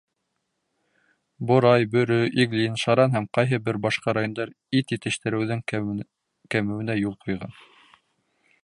Борай, Бөрө, Иглин, Шаран һәм ҡайһы бер башҡа райондар ит етештереүҙең кәмеүенә юл ҡуйған.